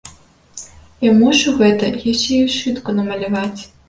Я мушу гэта яшчэ і ў сшытку намаляваць.